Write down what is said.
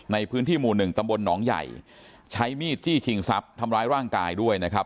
ในพื้นที่หมู่หนึ่งตำบลหนองใหญ่ใช้มีดจี้ชิงทรัพย์ทำร้ายร่างกายด้วยนะครับ